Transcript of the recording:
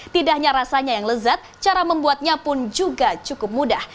tidak hanya rasanya yang lezat cara membuatnya pun juga cukup mudah